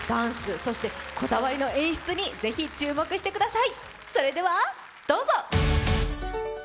そしてこだわりの演出にぜひ注目してください。